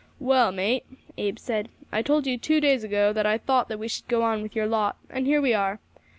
"Well, mate," Abe said, "I told you two days ago that I thought that we should go on with your lot, and here we are.